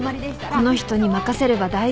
この人に任せれば大丈夫。